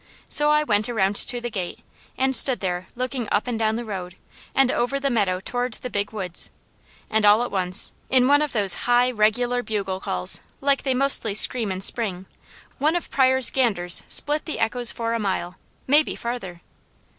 So I went around to the gate and stood there looking up and down the road, and over the meadow toward the Big Woods; and all at once, in one of those high, regular bugle calls, like they mostly scream in spring, one of Pryors' ganders split the echoes for a mile; maybe farther.